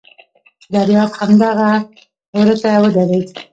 دریاب همدغه وره ته ودرېد.